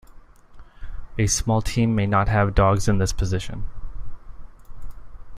A small team may not have dogs in this position.